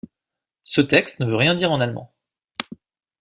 Ce texte ne veut rien dire en allemand.